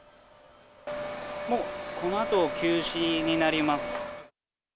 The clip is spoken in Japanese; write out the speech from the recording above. もうこのあと、休止になりま